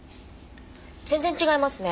全然違いますね。